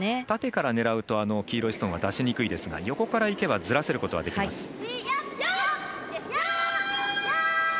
縦から狙うと黄色いストーンは出しにくいですが横からいけばずらすことはできます。